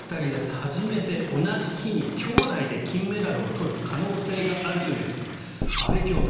初めて同じ日に兄妹で金メダルを取る可能性があるという阿部兄妹。